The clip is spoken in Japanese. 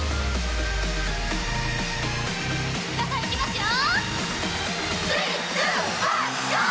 皆さん、いきますよ！